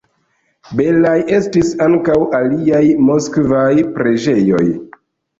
Belaj estis ankaŭ aliaj moskvaj preĝejoj.